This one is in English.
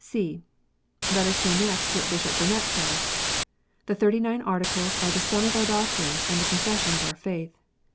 (c) Let us hear next what Bishop Burnet says: " The Thirty nine Articles are the sum of our doctrines, and the confession of our faith.